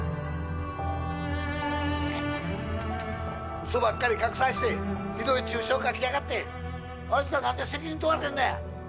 ウソばっかり拡散してひどい中傷書きやがってあいつら何で責任取らへんのや！